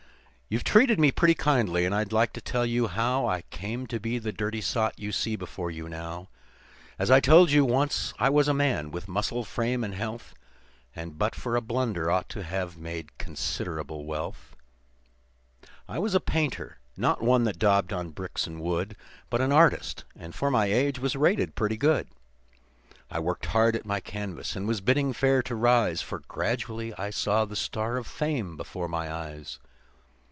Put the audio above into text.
"You've treated me pretty kindly and I'd like to tell you how I came to be the dirty sot you see before you now. As I told you, once I was a man, with muscle, frame, and health, And but for a blunder ought to have made considerable wealth. "I was a painter not one that daubed on bricks and wood, But an artist, and for my age, was rated pretty good. I worked hard at my canvas, and was bidding fair to rise, For gradually I saw the star of fame before my eyes.